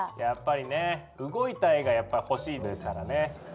やっぱりね動いた絵がやっぱ欲しいですからね。